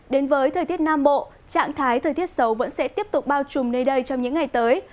đến với thời tiết nam bộ trạng thái thời tiết xấu vẫn sẽ tiếp tục bao trùm nơi đây trong những ngày tới